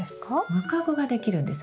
ムカゴができるんです。